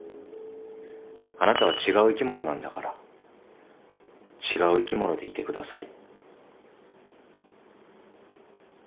あなたは違う生き物なんだから違う生き物でいてください。